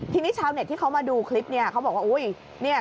ทีนี้ชาวเน็ตที่เขามาดูคลิปเนี่ยเขาบอกว่าอุ้ย